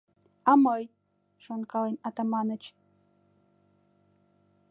«А мый?.. — шонкален Атаманыч.